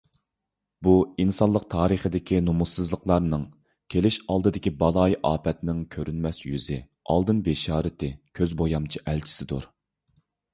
بۇ ئىنسانلىق تارىخىدىكى نۇمۇسسىزلىقلارنىڭ، كېلىش ئالدىدىكى بالايىئاپەتنىڭ كۆرۈنمەس يۈزى، ئالدىن بېشارىتى، كۆز بويامچى ئەلچىسىدۇر.